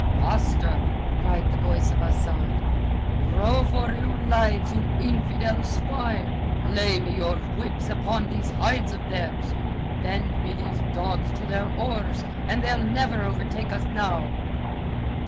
"Faster!" cried the voice of Asad. "Row for your lives, you infidel swine! Lay me your whips upon these hides of theirs! Bend me these dogs to their oars, and they'll never overtake us now."